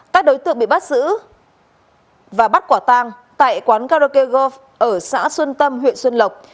các đối tượng bị bắt giữ và bắt quả tang tại quán karaoke gov ở xã xuân tâm huyện xuân lộc